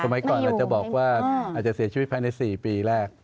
ก่อนเราจะบอกว่าอาจจะเสียชีวิตภายใน๔ปีแรก